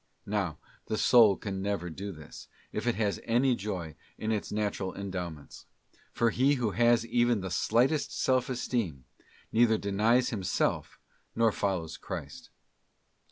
'* Now the soul can never do this, if it has any joy in its natural endowments; for he who has, even the slightest self esteem, neither denies himself nor follows Christ.